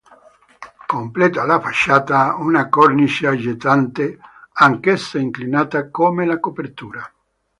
Completa la facciata una cornice aggettante anch'essa inclinata come la copertura.